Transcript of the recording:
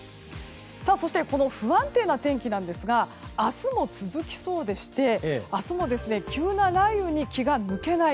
そしてこの不安定な天気なんですが明日も続きそうでして明日も急な雷雨に気が抜けない。